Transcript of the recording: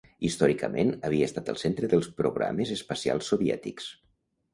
Històricament havia estat el centre dels programes espacials soviètics.